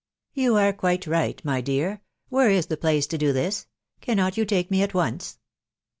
" You are quite right* my dear. Where is the. place to. do this ? Cannot you take me at once